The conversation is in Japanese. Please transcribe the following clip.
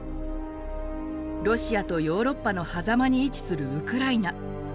ロシアとヨーロッパのはざまに位置するウクライナ。